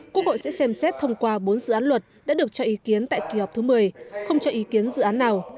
quốc hội sẽ xem xét thông qua bốn dự án luật đã được cho ý kiến tại kỳ họp thứ một mươi không cho ý kiến dự án nào